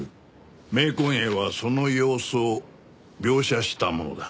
冥婚絵はその様子を描写したものだ。